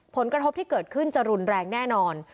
ผลกระทบที่เกิดขึ้นจะรุนแรงแน่นอน